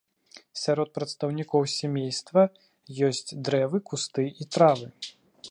Сярод прадстаўнікоў сямейства ёсць дрэвы, кусты і травы.